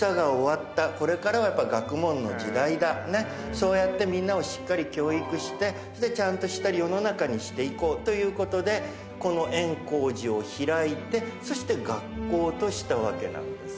そうやってみんなをしっかり教育してちゃんとした世の中にしていこうということでこの圓光寺を開いてそして学校としたわけなんです。